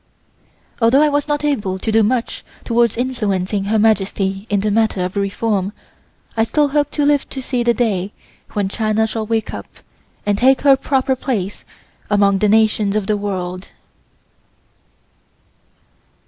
Although I was not able to do much towards influencing Her Majesty in the matter of reform, I still hope to live to see the day when China shall wake up and take her proper place among the nations of the world.